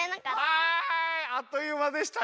はいあっというまでしたね。